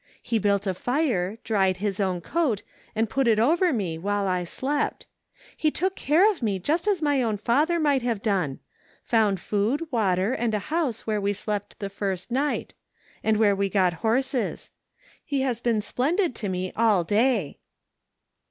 He built a fire, dried his own coat, and put it over me while I slept. He took care of me just as my own father might have done; found food, water, and a house where we slept the first night ; and where we got horses. He has been splendid to me all day."